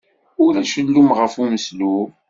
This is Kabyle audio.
Ulac llum ɣef umeslub.